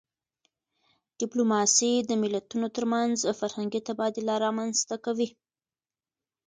ډيپلوماسي د ملتونو ترمنځ فرهنګي تبادله رامنځته کوي.